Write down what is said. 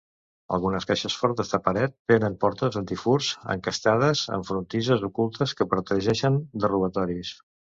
Algunes caixes fortes de paret tenen portes antifurts encastades amb frontisses ocultes que protegeixen de robatoris.